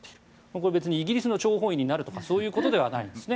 これは別にイギリスの諜報員になるとかそういうことではないんですね。